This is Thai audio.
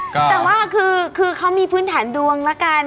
แต่ว่าคือเขามีพื้นฐานดวงแล้วกัน